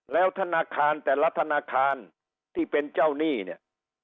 แล้วธนาคารแต่ละธนาคารที่เป็นเจ้าหนี้เนี่ย